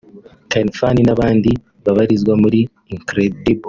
Khalfan n'abandi babarizwa muri Incredible